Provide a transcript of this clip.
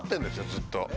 ずっと。